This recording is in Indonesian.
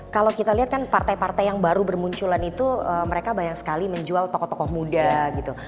kalau kita lihat kan partai partai yang baru bermunculan itu mereka banyak sekali menjual tokoh tokoh muda gitu